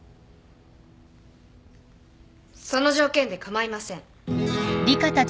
その条件で構いません。